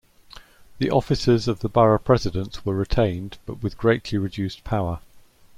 The offices of the borough presidents were retained, but with greatly reduced power.